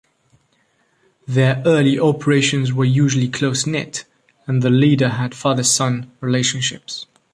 Their early operations were usually close-knit, and the leader had father-son relationships.